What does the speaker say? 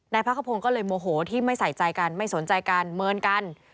นายพระกระโพงก็เลยโมโหที่ไม่ใส่ใจกันไม่สนใจกันเมินกัน